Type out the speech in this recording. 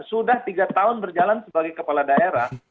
sudah tiga tahun berjalan sebagai kepala daerah